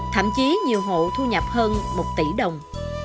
thậm chí nhiều hộ thu nhập hơn một tỷ đồng